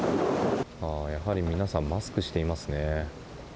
ああ、やはり皆さん、マスクしていますね。